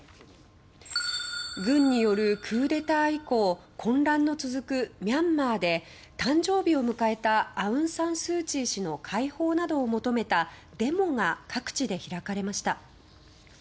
軍によるクーデター以降混乱の続くミャンマーで誕生日を迎えたアウン・サン・スー・チー氏の解放などを求めたデモが各地で開かれました。